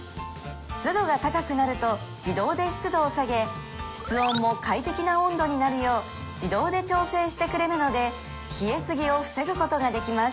湿度が高くなると自動で湿度を下げ室温も快適な温度になるよう自動で調整してくれるので冷えすぎを防ぐことができます